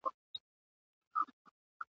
څنګه دا کور او دا جومات او دا قلا سمېږي ..